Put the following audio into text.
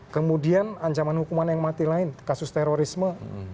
kemudian ancaman hukuman yang mati lain kasus terorisme